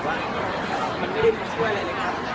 การรับความรักมันเป็นอย่างไร